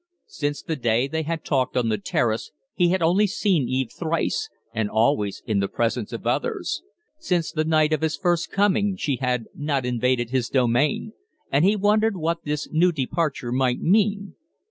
Since the day they had talked on the Terrace, he had only seen Eve thrice, and always in the presence e others. Since the night of his first coming, she has not invaded his domain, and he wondered what this new departure might mean.